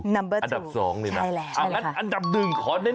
นับ๒ใช่แหละ